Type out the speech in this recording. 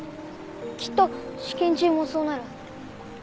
きっと試験中もそうなる。